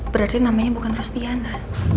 berarti namanya bukan rustiana